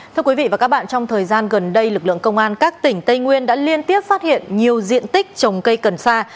thưa quý vị và các bạn trong thời gian gần đây lực lượng công an các tỉnh tây nguyên đã liên tiếp phát hiện nhiều diện tích trồng cây cần sa